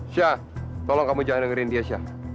sya tolong kamu jangan dengerin dia sya